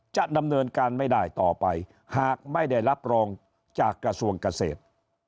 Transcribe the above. จะดำเนินการไม่ได้ต่อไปหากไม่ได้รับรองจากกระทรวงเกษตร